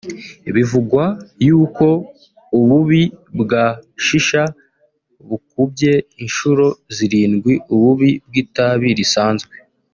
Bivugwa yuko ububi bwa shisha bukubye incuro zirindwi ububi bw’itabi risanzwe